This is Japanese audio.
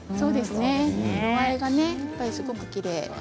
色合いがすごくきれい。